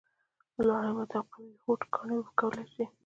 لوړ همت او قوي هوډ کاڼي اوبه کولای شي !